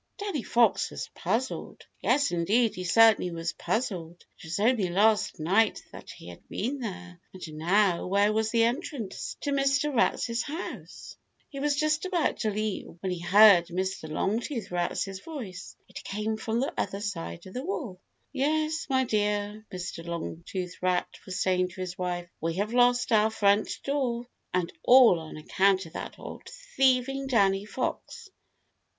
Danny Fox was puzzled. Yes, indeed, he certainly was puzzled. It was only last night that he had been here, and now, where was the entrance to Mr. Rat's house? He was just about to leave when he heard Mr. Longtooth Rat's voice. It came from the other side of the wall. "Yes, my dear," Mr. Longtooth Rat was saying to his wife, "we have lost our front door, and all on account of that old thieving Danny Fox."